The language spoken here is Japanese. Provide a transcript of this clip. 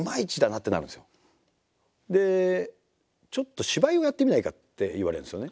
で「ちょっと芝居をやってみないか」って言われるんですよね